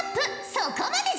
そこまでじゃ！